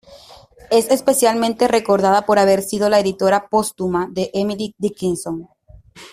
Es especialmente recordada por haber sido la editora póstuma de Emily Dickinson.